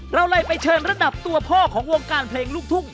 เราเลยไปเชิญระดับตัวพ่อของวงการเพลงลูกทุ่ง